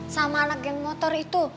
sama anak geng motor itu